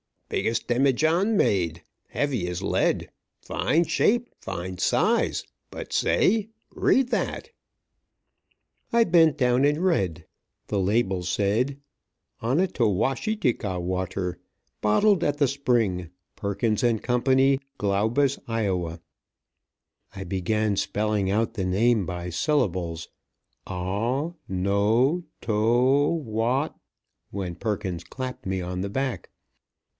"Biggest demijohn made. Heavy as lead! Fine shape, fine size! But, say read that!" I bent down and read. The label said: "Onotowatishika Water. Bottled at the spring. Perkins & Co., Glaubus, Ia." I began spelling out the name by syllables, "O no to wat " when Perkins clapped me on the back.